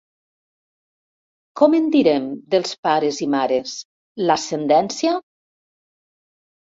¿Com en direm, dels pares i mares: l'ascendència?